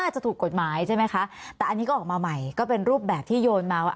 จะถูกกฎหมายใช่ไหมคะแต่อันนี้ก็ออกมาใหม่ก็เป็นรูปแบบที่โยนมาว่า